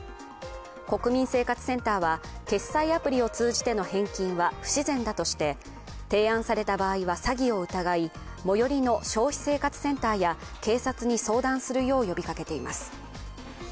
国民生活センターは決済アプリを通じての返金は不自然だとして、提案された場合は詐欺を疑い最寄りの消費生活センターや警察に相談するよう呼びかけています。